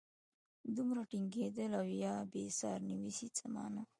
دومره ټینګېدل او یا بېسیار نویسي څه مانا.